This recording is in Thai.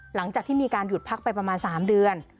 หลังจากที่มีการหยุดพักไปประมาณ๓เดือน